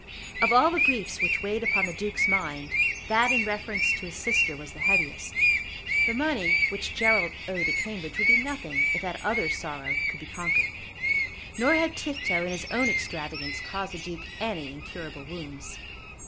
Of all the griefs which weighed upon the Duke's mind, that in reference to his sister was the heaviest. The money which Gerald owed at Cambridge would be nothing if that other sorrow could be conquered. Nor had Tifto and his own extravagance caused the Duke any incurable wounds.